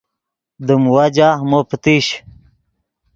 دیم وجہ مو پتیش